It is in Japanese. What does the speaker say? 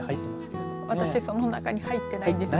私は、その中に入ってないです。